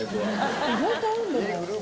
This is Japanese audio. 意外と合うんだね。